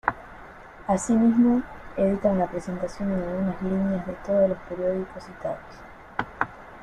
Asimismo, edita una presentación en algunas líneas de todos los periódicos citados.